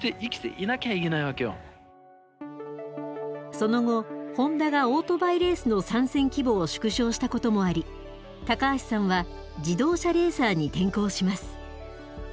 その後ホンダがオートバイレースの参戦規模を縮小したこともあり高橋さんは自動車レーサーに転向します。